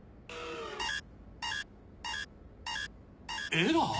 エラー？